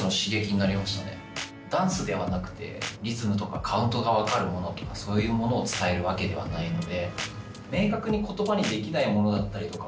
ダンスではなくてリズムとかカウントが分かるものとかそういうものを伝えるわけではないので。